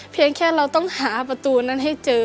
เพียงแค่เราต้องหาประตูนั้นให้เจอ